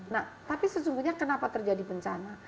nah tapi sesungguhnya kenapa terjadi bencana